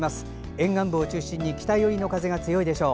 沿岸部を中心に北寄りの風が強いでしょう。